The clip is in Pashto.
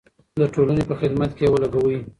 د ټولنې په خدمت کې یې ولګوئ.